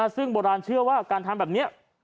ซึ่งโบราณเชื่อว่าการทำแบบนี้